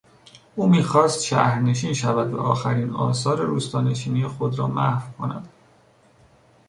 او میخواستشهرنشین شود و آخرین آثار روستانشینی خود را محو کند.